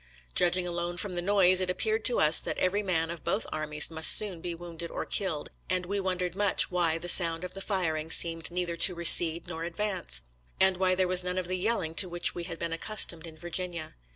Judging alone from the noise, it appeared to us that every man of both armies must soon be wounded or killed, and we wondered much why the sound of the firing seemed neither to recede nor advance, and why there was none of the yell ing to which we had been accustomed in Vir ginia.